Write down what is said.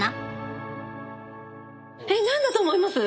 えっ何だと思います？